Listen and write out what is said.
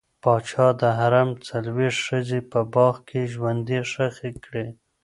پاچا د حرم څلوېښت ښځې په باغ کې ژوندۍ ښخې کړې.